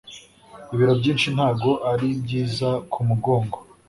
Ibiro byinshi ntago aribyiza ku mugongo